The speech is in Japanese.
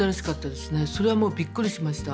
それはもうびっくりしました。